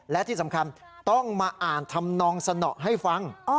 และที่สำคัญต้องมาอ่านทำนองสนอให้ฟัง